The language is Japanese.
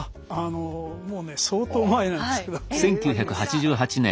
もうね相当前なんですけどあります。